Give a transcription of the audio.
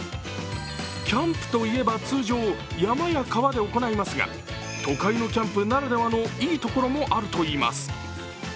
キャンプと言えば通常、山や川で行いますが、都会のキャンプならではのいいところもあるといいます。